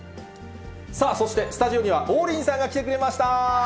さあ、そして、スタジオには王林さんが来てくれました。